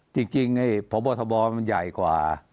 จริงเดี๋ยวพอโบทบให้มันใหญ่กว่า